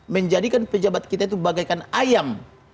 menjadikan pejabat kita itu bagaikan ayam